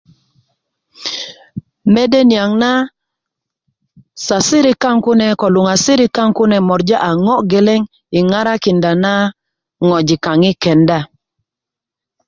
mede niyaŋ na sasirik kaŋ kune ko luŋasirik kaŋ kune morja a ŋo geleŋ yi ŋarakinda na ŋwajik kaŋ yi kenda